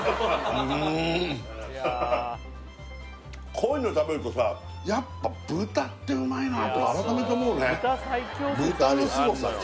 こういうの食べるとさやっぱ豚ってうまいなと改めて思うね豚のスゴさよ